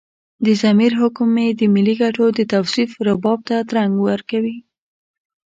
د ضمیر حکم مې د ملي ګټو د توصيف رباب ته ترنګ ورکوي.